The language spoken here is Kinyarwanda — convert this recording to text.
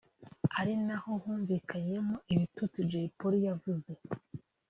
ari naho humvikanyemo ibitutsi Jay Polly yavuze